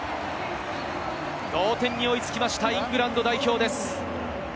同点に追いつきましたイングランド代表です。